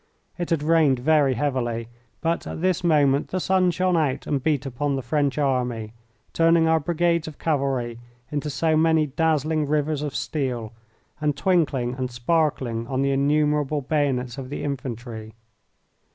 It had rained very heavily, but at this moment the sun shone out and beat upon the French army, turning our brigades of cavalry into so many dazzling rivers of steel, and twinkling and sparkling on the innumerable bayonets of the infantry.